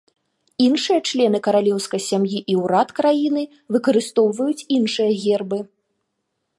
Іншыя члены каралеўскай сям'і і ўрад краіны выкарыстоўваюць іншыя гербы.